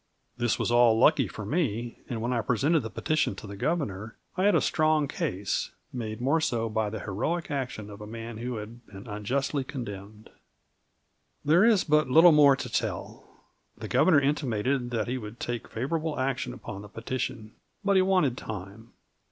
This was all lucky for me, and when I presented the petition to the Governor I had a strong case, made more so by the heroic action of a man who had been unjustly condemned. There is but little more to tell. The Governor intimated that he would take favorable action upon the petition, but he wanted time.